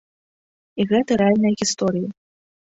І гэта рэальныя гісторыі.